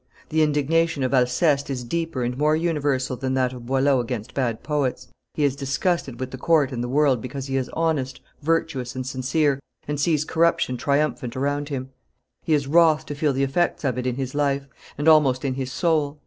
The indignation of Alceste is deeper and more universal than that of Boileau against bad poets; he is disgusted with the court and the world because he is honest, virtuous, and sincere, and sees corruption triumphant around him; he is wroth to feel the effects of it in his life, and almost in his own soul.